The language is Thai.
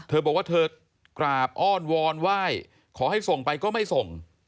บอกว่าเธอกราบอ้อนวอนไหว้ขอให้ส่งไปก็ไม่ส่ง